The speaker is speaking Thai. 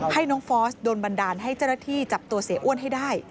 ให้น้องฟอสโดนบันดาลให้เจ้าหน้าที่จับตัวเสียอ้วนให้ได้